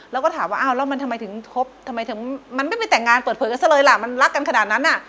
แล้วก็ถามว่าอ้าวแล้วมันทำไมถึงคบทำไมถึงมันไม่ไปแต่งงานเปิดเผยกันซะเลยล่ะมันรักกันขนาดนั้นอ่ะ